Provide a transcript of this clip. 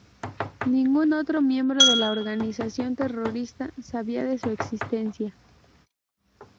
Ningún otro miembro de la organización terrorista sabía de su existencia.